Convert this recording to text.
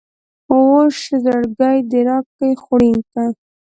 وش ﺯړه د راکي خوړين که